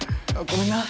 ごめんな。